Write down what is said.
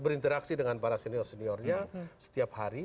berinteraksi dengan para senior seniornya setiap hari